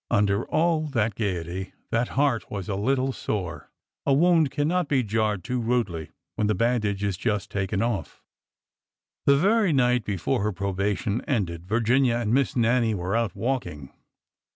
Under all her gaiety that heart was a little sore. A wound cannot be jarred too rudely when the bandage is just taken off. The very night before her probation ended Virginia and Miss Nannie were out walking.